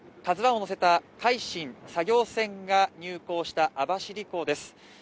「ＫＡＺＵⅠ」を乗せた「海進」作業船が入港した網走港です。